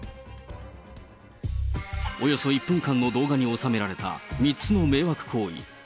およそ１分間の動画に収められた３つの迷惑行為。